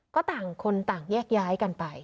ก็ต่างคนต่างแยกย้ายกันไป